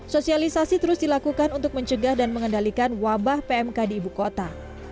sosialisasi terus dilakukan untuk mencegah dan mengendalikan wabah pmk di ibu kota